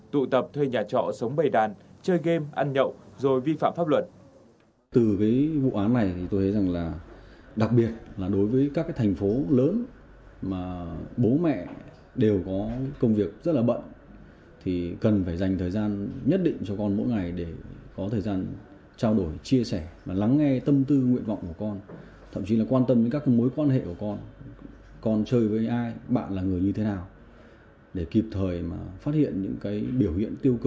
tụ tập thuê nhà trọ sống bầy đàn chơi game ăn nhậu rồi vi phạm pháp luật